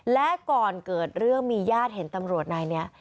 และก่อนเกิดเรื่องมีญาติเห็นตำรวจนายนี้